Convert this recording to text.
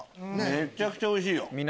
めちゃくちゃおいしいよ！